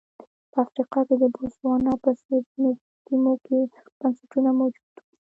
په افریقا کې د بوتسوانا په څېر ځینو سیمو کې بنسټونه موجود وو.